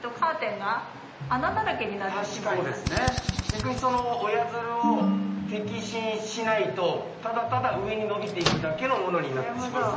逆にその親づるを摘心しないとただただ上に伸びていくだけのものになってしまうと。